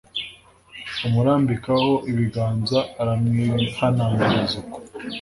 amurambikaho ibiganza aramwihanangiriza uko